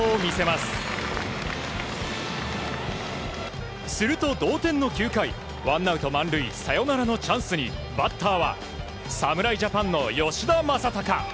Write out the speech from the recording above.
すると同点の９回ワンアウト満塁サヨナラのチャンスにバッターは侍ジャパンの吉田正尚。